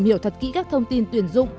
tìm hiểu thật kỹ các thông tin tuyển dụng